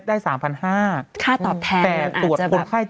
ค่าตอบแทนมันอาจจะแบบแต่ตรวจคนไข้๗๐คน